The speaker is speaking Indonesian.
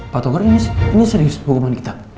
pak togar ini serius hukuman kita